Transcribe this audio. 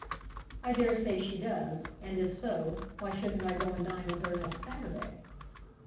"I dare say she does; and if so, why shouldn't I go and dine with her next Saturday?"